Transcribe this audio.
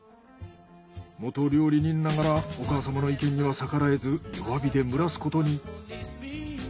元料理人ながらお母様の意見には逆らえず弱火で蒸らすことに。